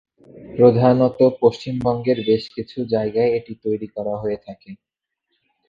প্রধানত পশ্চিমবঙ্গের বেশকিছু জায়গায় এটি তৈরি করা হয়ে থাকে।